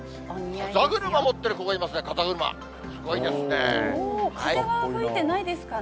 風車持ってる子がいますね、風は吹いてないですかね。